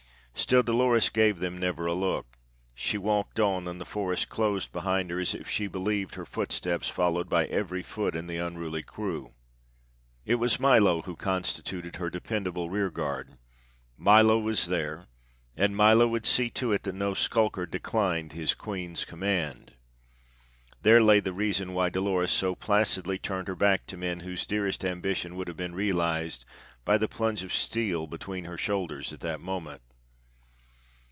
Still Dolores gave them never a look; she walked on, and the forest closed behind her, as if she believed her footsteps followed by every foot in the unruly crew. It was Milo who constituted her dependable rearguard. Milo was there, and Milo would see to it that no skulker declined his queen's command. There lay the reason why Dolores so placidly turned her back to men whose dearest ambition would have been realized by the plunge of steel between her shoulders at that moment.